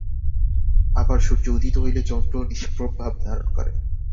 আবার সূর্য উদিত হইলে চন্দ্রও নিষ্প্রভ ভাব ধারণ করে।